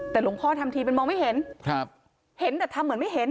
แต่หลวงพ่อทำทีเป็นมองไม่เห็นครับเห็นแต่ทำเหมือนไม่เห็น